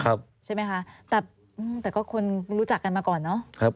ครับใช่ไหมคะแต่อืมแต่ก็คนรู้จักกันมาก่อนเนอะครับ